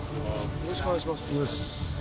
よろしくお願いします。